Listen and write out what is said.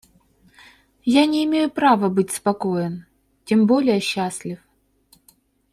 Я не имею права быть спокоен, тем более счастлив...